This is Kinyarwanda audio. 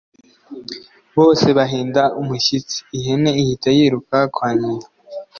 bose bahinda umushyitsi, ihene ihita yiruka kwa nyina